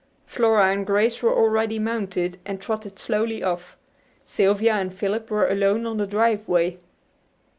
Flora and Grace were already mounted, and trotted slowly off. Sylvia and Philip were alone on the driveway.